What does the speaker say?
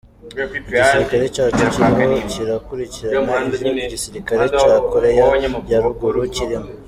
"Igisirikare cacu kiriko kirakurikirana ivyo igisirikare ca Korea ya ruguru kirimwo".